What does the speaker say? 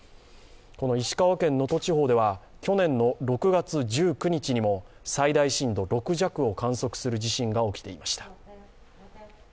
石川県能登地方では去年の６月１９日にも最大震度６弱を観測する地震が起きていました。